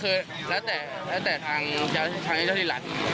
ก็คือแล้วแต่ทางเจ้าที่รัฐ